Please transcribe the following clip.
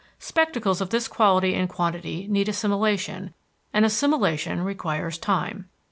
Spectacles of this quality and quantity need assimilation, and assimilation requires time.